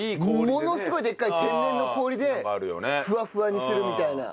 ものすごいでっかい天然の氷でフワフワにするみたいな。